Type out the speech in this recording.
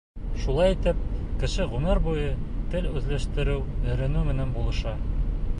Шулай итеп, кеше ғүмер буйы тел үҙләштереү, өйрәнеү менән булыша.